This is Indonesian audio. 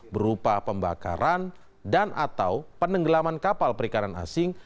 berupa pembakaran dan atau penenggelaman kapal perikanan asing